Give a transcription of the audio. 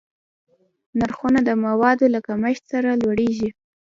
نرخونه د موادو له کمښت سره لوړېږي.